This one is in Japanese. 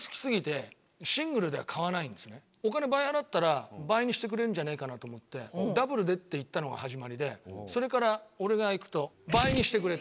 お金倍払ったら倍にしてくれるんじゃねぇかなと思って「ダブルで」って言ったのが始まりでそれから俺が行くと倍にしてくれて。